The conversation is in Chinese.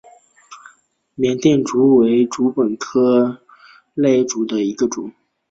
缅甸竹为禾本科簕竹属下的一个种。